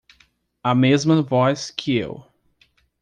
A mesma voz que eu